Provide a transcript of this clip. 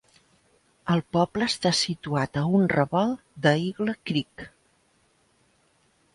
El poble està situat a un revolt de Eagle Creek.